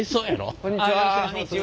こんにちは。